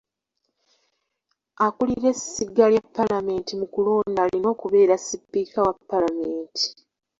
Akulira essiga lya paalamenti mu kulonda alina okubeera sipiika wa paalamenti.